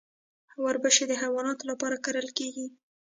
وربشې د حیواناتو لپاره کرل کیږي.